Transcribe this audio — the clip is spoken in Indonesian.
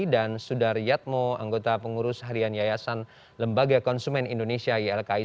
dan sudar yatmo anggota pengurus harian yayasan lembaga konsumen indonesia ylki